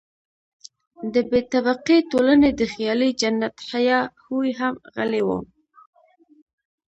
د بې طبقې ټولنې د خیالي جنت هیا هوی هم غلی وو.